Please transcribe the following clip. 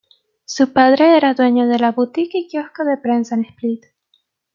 Su padre era dueño de la boutique y quiosco de prensa en Split.